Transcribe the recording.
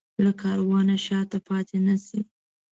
له کاروانه شاته پاتې نه شي.